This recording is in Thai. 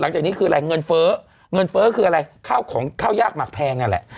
หลังจากนี้คืออะไรเงินเฟ้อเงินเฟ้อคืออะไรข้าวของข้าวยากหมักแพงนั่นแหละ